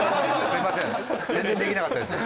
すいません全然できなかったです。